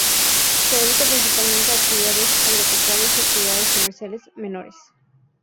Se dedica principalmente a actividades agropecuarias y actividades comerciales menores.